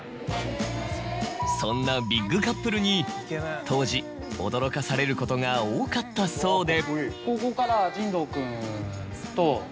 そんなビッグカップルに当時驚かされることが多かったそうで。